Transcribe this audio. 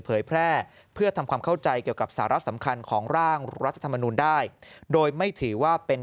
เผยแพร่เพื่อทำความเข้าใจเกี่ยวกับสาระสำคัญของร่างรัฐธรรมนูลได้โดยไม่ถือว่าเป็น